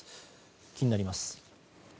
気になります。